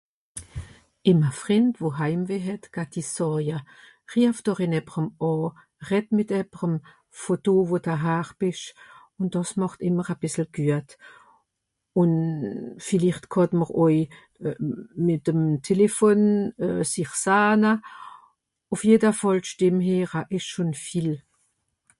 Ìm e Friend wo Heimweh hett, dat i sààja, rief doch ìn ebberem àà, redd mìt ebberem vo do wo da Har bisch, ùn dàs màcht ìmmer er bìssel güat. ùn villicht kàt m'r oj mìt'm Telefon sìch sahna. Ùf jedefàl d'Stimm heera isch schunn viel.